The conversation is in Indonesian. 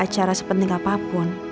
acara seperti apapun